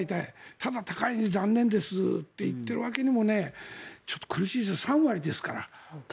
ただ高いね、残念ですと言っているわけにもちょっと苦しいですよ。